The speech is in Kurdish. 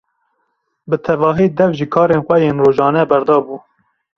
Bi tevahî dev ji karên xwe yên rojane berdabû.